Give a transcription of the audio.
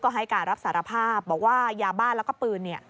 ให้การรับสารภาพบอกว่ายาบ้านแล้วก็ปืน